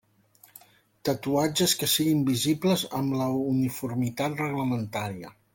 Tatuatges que siguin visibles amb la uniformitat reglamentària.